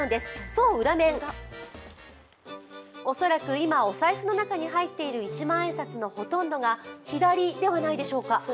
そう、うら面、恐らく今お財布の中に入っている一万円札のほとんどが左ではないでしょうか。